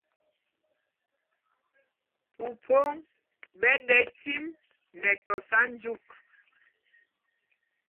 Mpumpoŋ ɓɛ ɗɛ micim nɛ tɔsa jyûk.